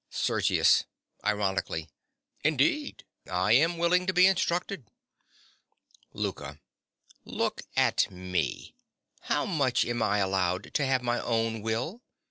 SERGIUS. (ironically). Indeed! I am willing to be instructed. LOUKA. Look at me! how much am I allowed to have my own will?